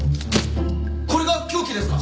これが凶器ですか！？